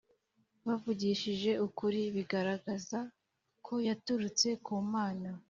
bavugishije ukuri bigaragaza ko yaturutse ku Mana